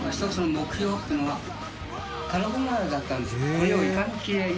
これをいかにきれいに。